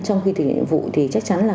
trong khi thực hiện nhiệm vụ thì chắc chắn là